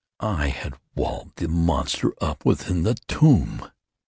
I had walled the monster up within the tomb!